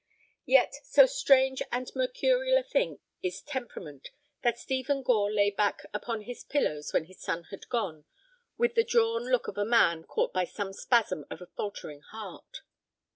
Yet so strange and mercurial a thing is temperament that Stephen Gore lay back upon his pillows when his son had gone with the drawn look of a man caught by some spasm of a faltering heart.